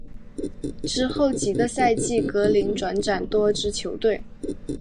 之后几个赛季格林转辗多支球队。